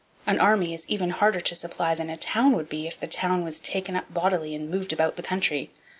An army is even harder to supply than a town would be if the town was taken up bodily and moved about the country.